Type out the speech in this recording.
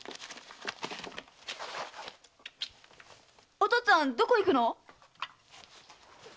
お父っつぁんどこ行くの？